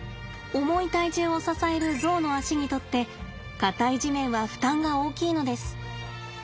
重い体重を支えるゾウの足にとって硬い地面は負担が大きいのです。